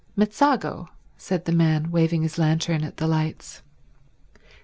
"Mezzago," said the man, waving his lantern at the lights.